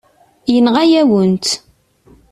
Yenɣa-yawen-tt.